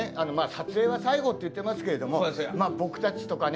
撮影は最後って言ってますけども僕たちとかね